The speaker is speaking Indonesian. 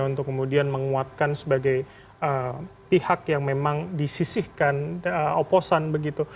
untuk kemudian menguatkan sebagai pihak yang memang disisihkan oposan begitu